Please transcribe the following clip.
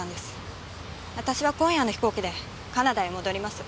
私は今夜の飛行機でカナダへ戻ります。